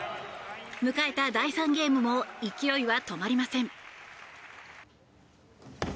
迎えた第３ゲームも勢いは止まりません。